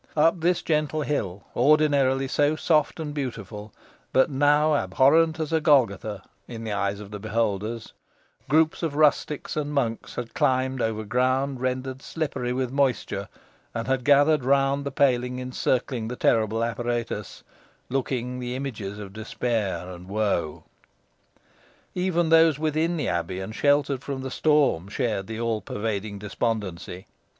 Up this gentle hill, ordinarily so soft and beautiful, but now abhorrent as a Golgotha, in the eyes of the beholders, groups of rustics and monks had climbed over ground rendered slippery with moisture, and had gathered round the paling encircling the terrible apparatus, looking the images of despair and woe. Even those within the abbey, and sheltered from the storm, shared the all pervading despondency.